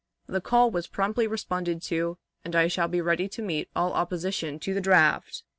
The call was promptly responded to, and I shall be ready to meet all opposition to the draft."